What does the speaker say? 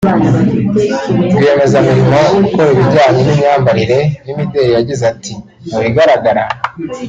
rwiyemezamirimo ukora ibijyanye n’imyambarire n’imideri yagize ati “Mu bigaragara